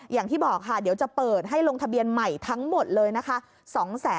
อย่างที่บอกค่ะเดี๋ยวจะเปิดให้ลงทะเบียนใหม่ทั้งหมดเลยนะคะ